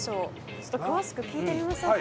ちょっと詳しく聞いてみましょうか。